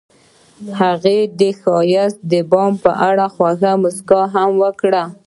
هغې د ښایسته بام په اړه خوږه موسکا هم وکړه.